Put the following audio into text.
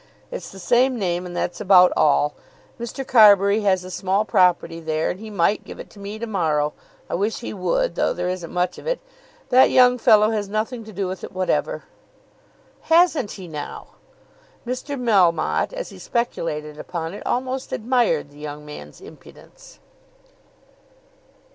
It's the same name, and that's about all. Mr. Carbury has a small property there, and he might give it to me to morrow. I wish he would, though there isn't much of it. That young fellow has nothing to do with it whatever." "Hasn't he now?" Mr. Melmotte as he speculated upon it, almost admired the young man's impudence.